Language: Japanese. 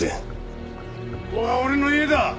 ここは俺の家だ！